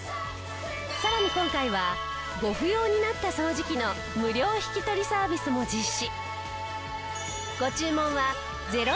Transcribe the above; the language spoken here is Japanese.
さらに今回はご不要になった掃除機の無料引き取りサービスも実施。